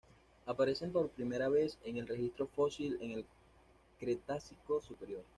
Aparecen por primera vez en el registro fósil en el Cretácico superior.